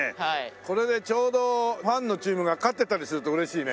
これでちょうどファンのチームが勝ってたりすると嬉しいね。